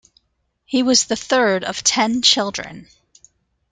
He was the third of ten children.